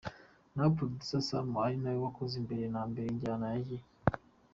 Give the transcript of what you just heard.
Naho producer Sam ari nawe wakoze mbere na mbere injyana y.